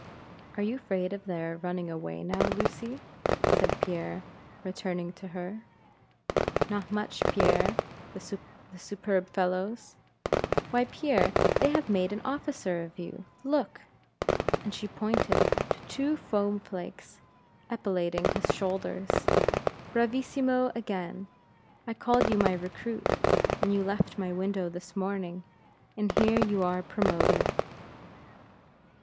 "Are you afraid of their running away now, Lucy?" said Pierre, returning to her. "Not much, Pierre; the superb fellows! Why, Pierre, they have made an officer of you look!" and she pointed to two foam flakes epauletting his shoulders. "Bravissimo again! I called you my recruit, when you left my window this morning, and here you are promoted."